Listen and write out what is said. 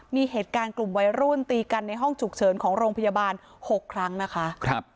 มีเหตุการณ์กลุ่มวัยรุ่นตีกันในห้องฉุกเฉินของโรงพยาบาล๖ครั้งนะคะ